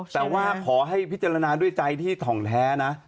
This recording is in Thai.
แต่ว่าขอให้พิจารณาด้วยใจที่ถ่องแท้นะ